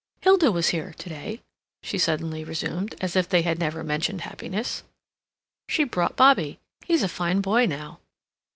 "Hilda was here to day," she suddenly resumed, as if they had never mentioned happiness. "She brought Bobbie—he's a fine boy now."